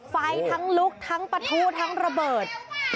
ไฟทั้งลุกทั้งปะทุทั้งระเบิด